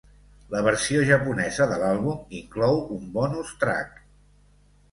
La versió japonesa de l'àlbum inclou un bonus track.